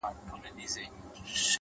o څه عجيبه جوارگر دي اموخته کړم ـ